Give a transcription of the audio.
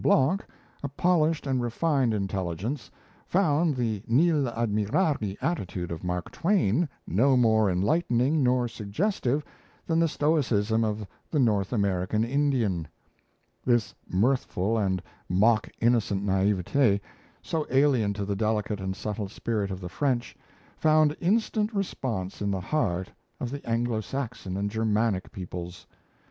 Blanc, a polished and refined intelligence, found the nil admirari attitude of "Mark Twain" no more enlightening nor suggestive than the stoicism of the North American Indian. This mirthful and mock innocent naivete, so alien to the delicate and subtle spirit of the French, found instant response in the heart of the Anglo Saxon and Germanic peoples.